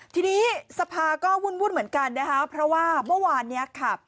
ทีนี้สภาก็วุ่นเหมือนกันนะคะเพราะว่าเมื่อวานนี้ค่ะ